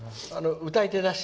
歌い手だし。